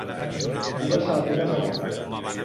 Du les sabatilles a la mà.